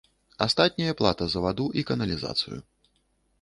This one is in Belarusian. Астатняе плата за ваду і каналізацыю.